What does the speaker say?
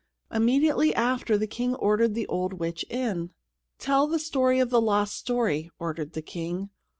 Immediately after, the King ordered the old witch in. "Tell the story of the lost story," ordered the King.